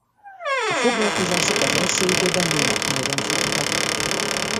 A foglalkozások az első időben német nyelven folytak.